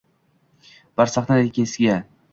bir sahnadan ikkinchisiga